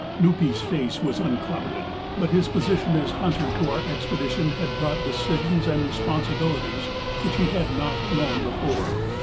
Nupee's face was unclouded, but his position as hunter to our expedition had brought decisions and responsibilities which he had not known before.